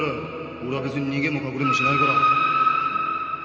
俺は別に逃げも隠れもしないから。